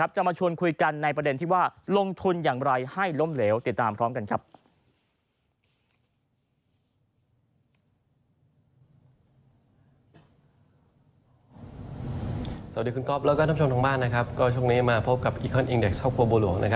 จะมาชวนคุยกันในประเด็นที่ว่าลงทุนอย่างไรให้ล่มเหลว